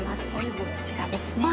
こちらですね。